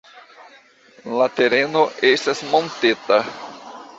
La tereno estas monteta.